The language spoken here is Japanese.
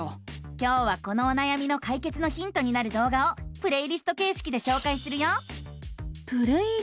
今日はこのおなやみのかいけつのヒントになる動画をプレイリストけいしきでしょうかいするよ！